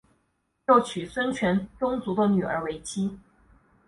又娶孙权宗族的女儿为妻。